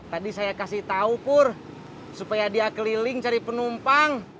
tadi saya kasih tahu kur supaya dia keliling cari penumpang